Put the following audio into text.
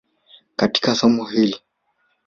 katika somo hili.